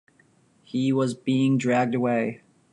He was being dragged away.